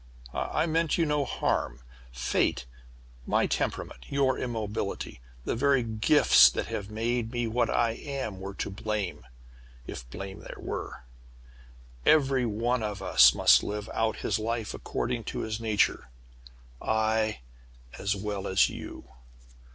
I meant you no harm. Fate my temperament, your immobility, the very gifts that have made me what I am were to blame if blame there were. Every one of us must live out his life, according to his nature. I, as well as you!